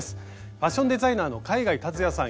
ファッションデザイナーの海外竜也さん